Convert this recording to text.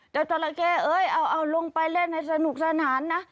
จราเข้เอ้ยเอาลงไปเล่นให้สนุกสนานนะ